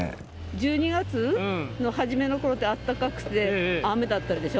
１２月の初めのころってあったかくて雨だったでしょ。